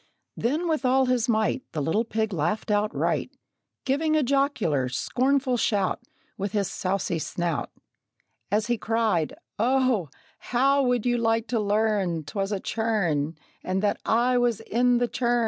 Then, with all his might, The little pig laughed outright, Giving a jocular, scornful shout With his saucy snout, As he cried, "O, how would you like to learn 'Twas a churn, and that I was in the churn!"